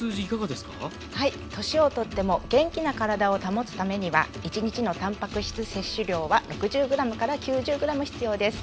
年を取っても元気な体を保つためには一日のたんぱく質摂取量は６０ｇ９０ｇ必要です。